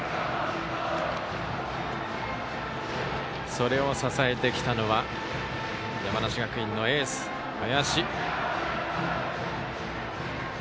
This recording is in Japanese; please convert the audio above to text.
それを支えてきたのは山梨学院のエース、林。